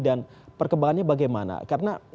dan perkembangannya bagaimana karena